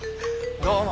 どうも！